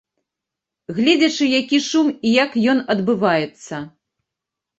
Гледзячы які шум і як ён адбываецца.